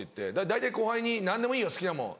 大体後輩に「何でもいいよ好きなもん。